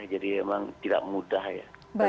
memang tidak mudah ya